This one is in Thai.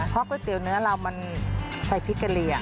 เพราะก๋วยเตี๋ยวเนื้อเรามันใส่พริกเกอรีย